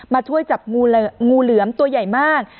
มาช่วยจับงูเหลือมตัวใหญ่มาก